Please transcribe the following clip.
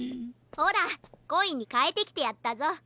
ほらコインにかえてきてやったぞ。